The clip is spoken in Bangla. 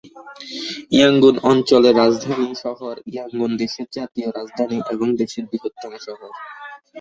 ইয়াঙ্গুন অঞ্চলের রাজধানী শহর ইয়াঙ্গুন দেশের জাতীয় রাজধানী এবং দেশের বৃহত্তম শহর।